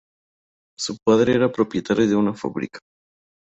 Su padre era propietario de una fábrica.